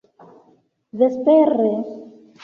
vespere